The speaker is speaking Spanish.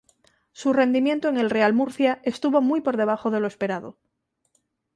Su rendimiento en el Real Murcia estuvo muy por debajo de lo esperado.